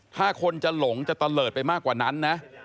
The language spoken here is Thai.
ถ้าคนจะหลงจะตะเลิศไปมากกว่านั้นนะ